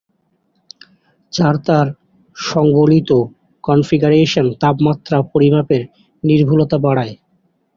চার তার সংবলিত কনফিগারেশন তাপমাত্রা পরিমাপের নির্ভুলতা বাড়ায়।